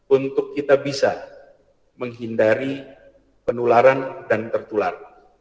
untuk kita bisa menghindari penularan dan tertular